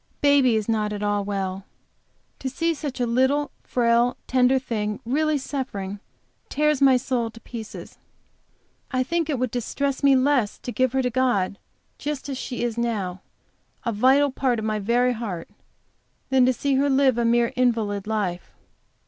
Baby is not at all well. To see a little frail, tender thing really suffering, tears my soul to pieces. I think it would distress me less to give her to God just as she is now, a vital part of my very heart, than to see her live a mere invalid life.